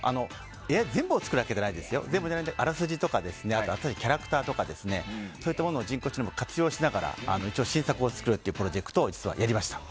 ＡＩで全部を作るわけじゃないですがあらすじとかキャラクターとかそういったものを人工知能を活用しながら一応、新作を作るプロジェクトをやりました。